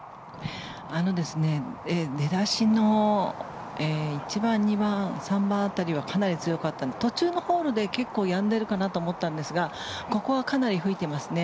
出だしの１番、２番、３番辺りはかなり強かったんですが途中のホールで結構やんでるかなと思ったんですがここはかなり吹いていますね。